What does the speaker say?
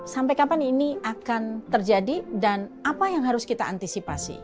sampai kapan ini akan terjadi dan apa yang harus kita antisipasi